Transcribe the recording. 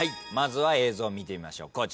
まずは映像見てみましょう。